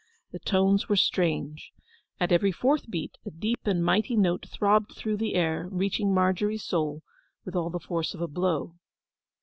The tones were strange. At every fourth beat a deep and mighty note throbbed through the air, reaching Margery's soul with all the force of a blow.